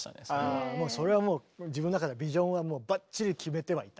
それはもう自分の中でビジョンはバッチリ決めてはいた。